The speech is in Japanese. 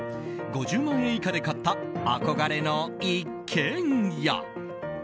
５０万円以下で買った憧れの一軒家！